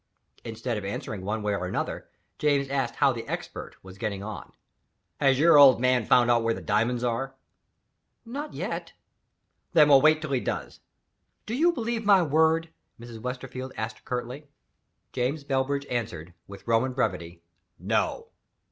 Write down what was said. Instead of answering one way or another, James asked how the Expert was getting on. "Has your old man found out where the diamonds are?" "Not yet." "Then we'll wait till he does." "Do you believe my word?" Mrs. Westerfield asked curtly. James Bellbridge answered, with Roman brevity, "No."